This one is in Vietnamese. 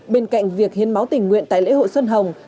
bên cạnh việc hiến máu tình nguyện tại lễ hội xuân hồng